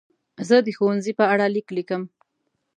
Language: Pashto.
زه د ښوونځي په اړه لیک لیکم.